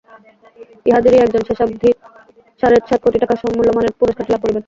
ইহাদেরই একজন শেষাবধি সাড়ে সাত কোটি টাকা মূল্যমানের পুরস্কারটি লাভ করিবেন।